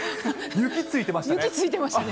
雪ついてましたね。